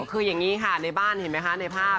คืออย่างนี้ค่ะในบ้านเห็นไหมคะในภาพ